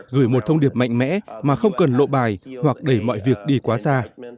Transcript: gửi một thông điệp mạnh mẽ mà không cần lộ bài hoặc đẩy mọi việc đi quá xa